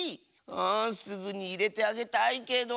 あすぐにいれてあげたいけど。